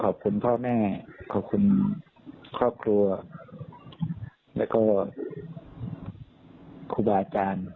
พ่อแม่ขอบคุณครอบครัวแล้วก็ครูบาอาจารย์